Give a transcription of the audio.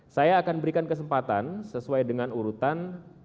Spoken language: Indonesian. saya akan berikan kesempatan sesuai dengan urutan